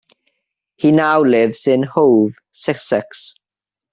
He now lives in Hove, Sussex.